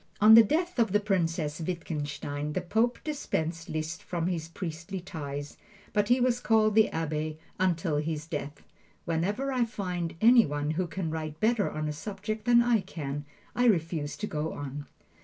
On the death of the Princess Wittgenstein, the Pope dispensed Liszt from his priestly ties, but he was called the Abbe until his death. Whenever I find any one who can write better on a subject than I can, I refuse to go on.